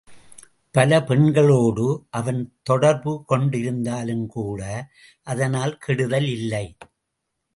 பல பெண்களோடு, அவன் தொடர்பு கொண்டிருந்தாலும்கூட அதனால் கெடுதல் இல்லை.